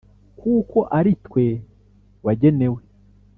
kuko ari twe wagenewe